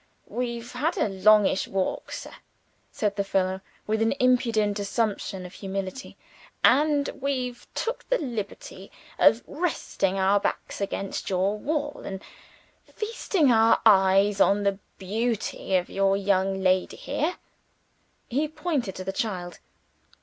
"We've had a longish walk, sir," said the fellow, with an impudent assumption of humility; "and we've took the liberty of resting our backs against your wall, and feasting our eyes on the beauty of your young lady here." He pointed to the child.